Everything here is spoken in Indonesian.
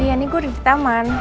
iya ini gue di taman